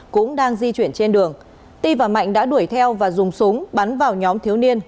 cũng đang di chuyển trên đường ti và mạnh đã đuổi theo và dùng súng bắn vào nhóm thiếu niên